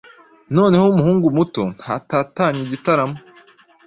Noneho umuhungu muto ntatatanye igitaramo